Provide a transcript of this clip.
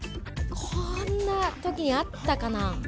こんなときにあったかな？